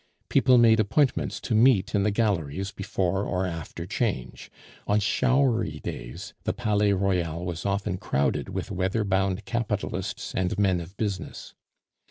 People made appointments to meet in the Galleries before or after 'Change; on showery days the Palais Royal was often crowded with weather bound capitalists and men of business.